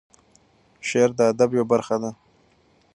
شعر د ادب یوه برخه ده.